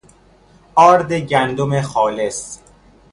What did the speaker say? آرد گندم خالص